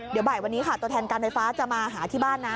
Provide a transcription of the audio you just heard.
เดี๋ยวบ่ายวันนี้ค่ะตัวแทนการไฟฟ้าจะมาหาที่บ้านนะ